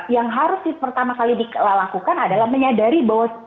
yang harus pertama kali dilakukan adalah menyadari bahwa